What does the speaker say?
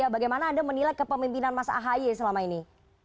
bagaimana anda menilai kepemimpinan mas ahaye selama ini